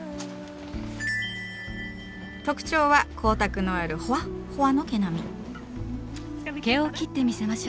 特徴は光沢のあるほわっほわの毛並み。